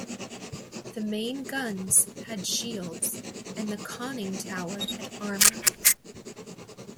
The main guns had shields and the conning tower had armor.